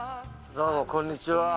どうも、こんにちは。